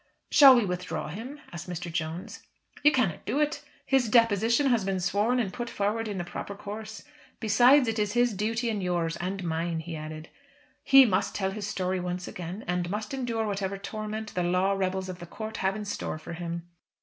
"Shall we withdraw him?" asked Mr. Jones. "You cannot do it. His deposition has been sworn and put forward in the proper course. Besides it is his duty and yours, and mine," he added. "He must tell his story once again, and must endure whatever torment the law rebels of the court have in store for him.